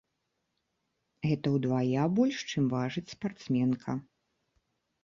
Гэта ўдвая больш, чым важыць спартсменка.